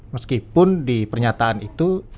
meskipun di pernyataan itu